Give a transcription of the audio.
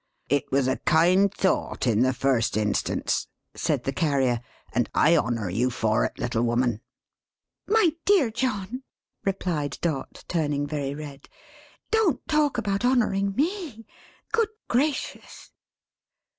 "It was a kind thought in the first instance," said the Carrier; "and I honour you for it, little woman." "My dear John," replied Dot, turning very red. "Don't talk about honouring me. Good Gracious!"